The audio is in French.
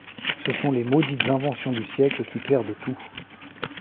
Ce sont les maudites inventions du siècle qui perdent tout.